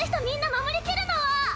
みんな守りきるのは！